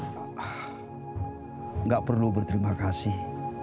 tidak perlu berterima kasih